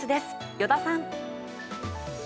依田さん。